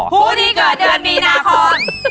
ผู้ที่เกิดเดือนมีนาคม